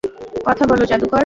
কথা বল, জাদুকর।